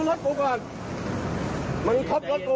เดี๋ยวให้เข้าไปดูพี่เก็บปืนก่อน